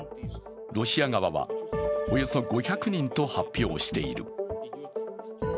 ロシア側は、およそ５００人と発表している。